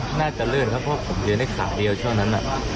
ผมน่าจะเลื่อนครับเพราะว่าผมเลือนได้ขาเดียวช่วงนั้นอ่ะ